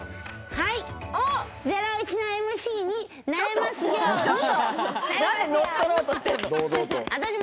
『ゼロイチ』のＭＣになれますように。